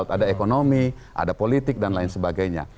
ada ekonomi ada politik dan lain sebagainya